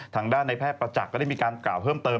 ทางด้านในแพทย์ประจักษ์ก็ได้มีการกล่าวเพิ่มเติม